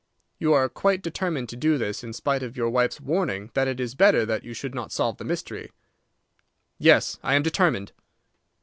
"You are quite determined to do this, in spite of your wife's warning that it is better that you should not solve the mystery?" "Yes, I am determined."